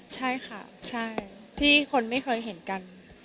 ใช่ค่ะใช่ที่คนไม่เคยเห็นกัน